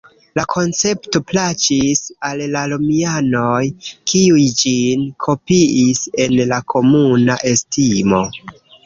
La koncepto plaĉis al la romianoj kiuj ĝin kopiis en la komuna estimo.